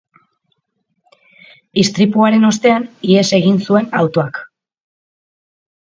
Istripuaren ostean, ihes egin zuen autoak.